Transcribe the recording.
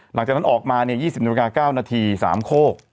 หลังจากนั้นออกมาเนี่ย๒๐นาที๙นาที๓โคก